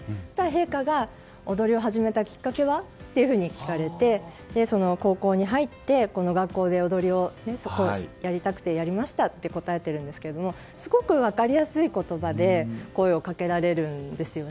陛下が踊りを始めたきっかけは？というふうに聞かれて高校に入って、この学校で踊りをやりたくてやりましたと答えているんですけれどもすごく分かりやすい言葉で声をかけられるんですよ。